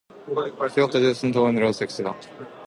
tjueåtte tusen to hundre og sekstifem